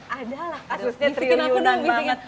kasusnya triliunan banget